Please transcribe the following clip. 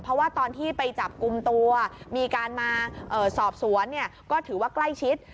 เพราะว่าตอนที่ไปจับกลุ่มตัวมีการมาสอบสวนเนี่ยก็ถือว่าใกล้ชิด